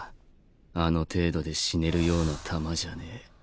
あの程度で死ねるようなタマじゃねぇ